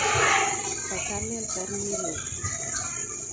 Faltar-li el pern millor.